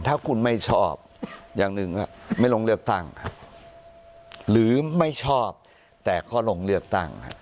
ถ้าคุณไม่ชอบอย่างหนึ่งไม่ลงเลือกตั้งหรือไม่ชอบแต่ก็ลงเลือกตั้ง